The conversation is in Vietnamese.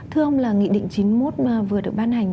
thưa ông là nghị định chín mươi một vừa được ban hành